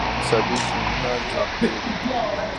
دوی نوي اقتصادي زونونه جوړ کړي دي.